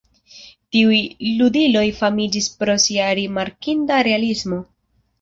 Tiuj ludiloj famiĝis pro sia rimarkinda realismo.